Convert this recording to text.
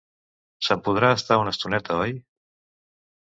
Se'n podrà estar una estoneta, oi?